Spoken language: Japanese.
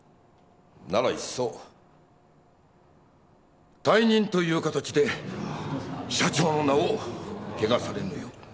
ならいっそ退任という形で社長の名を汚されぬよう。